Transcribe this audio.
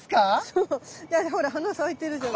そうだってほら花咲いてるじゃん。